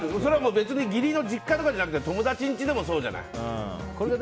義理の実家じゃなくて友達の家でもそうじゃない？